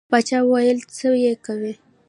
باچا ویل څه یې کوې.